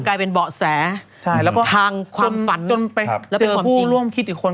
กลายเป็นเบาะแสทางความฝันและเป็นความจริงใช่แล้วก็จนไปเจอผู้ร่วมคิดอีกคน